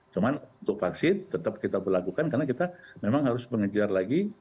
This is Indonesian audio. cuman untuk vaksin tetap kita berlakukan karena kita memang harus mengejar lagi